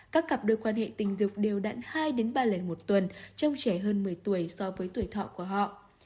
các cặp đôi quan hệ tình dục đều đặn hai ba lần một tuần trong trẻ hơn một mươi tuổi so với tuổi thọ của họ